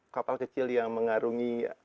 kapal kecil yang mengarungi